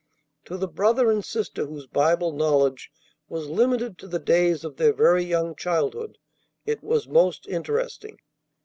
To the brother and sister whose Bible knowledge was limited to the days of their very young childhood, it was most interesting.